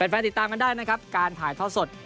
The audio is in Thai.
แฟนติดตามกันได้นะครับการถ่ายทอดสด